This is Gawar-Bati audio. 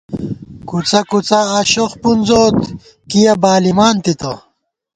کُڅہ کُڅا آشوخ پُنزوت ، کِیَہ بالِمان تِتہ